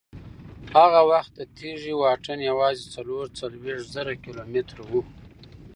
هغه وخت د تېږې واټن یوازې څلور څلوېښت زره کیلومتره و.